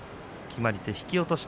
決まり手は引き落とし。